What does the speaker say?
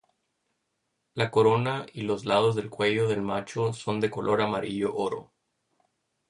La corona y los lados del cuello del macho son de color amarillo oro.